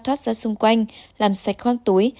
thoát ra xung quanh làm sạch khoang túi